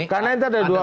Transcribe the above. karena kita ada dua orang